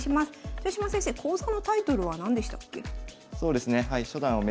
豊島先生講座のタイトルは何でしたっけ？